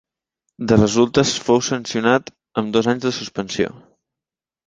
De resultes fou sancionat amb dos anys de suspensió.